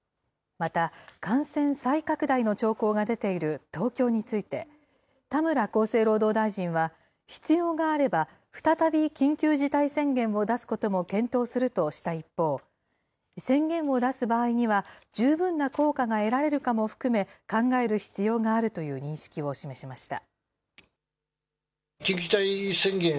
また、感染再拡大の兆候が出ている東京について、田村厚生労働大臣は、必要があれば再び緊急事態宣言を出すことも検討するとした一方、宣言を出す場合には、十分な効果が得られるかも含め、考える必要があるという認識を示しました。